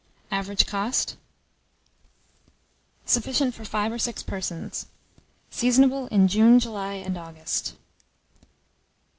Average cost. Sufficient for 5 or 6 persons. Seasonable in June, July, and August.